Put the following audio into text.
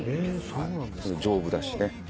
丈夫だしね。